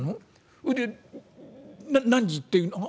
それで何時っていうのも」。